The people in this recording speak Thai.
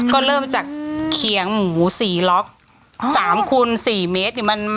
ก็เริ่มจากเคียง๔ล็อค๓คูณ๔เมตร